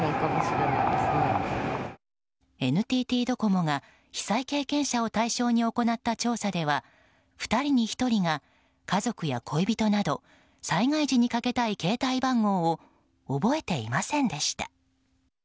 ＮＴＴドコモが被災経験者を対象に行った調査では２人に１人が、家族や恋人など災害時にかけたい携帯番号を覚えていませんでした。